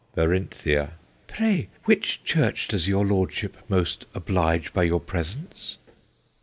BERINTHIA. Pray which church does your lordship most oblige by your presence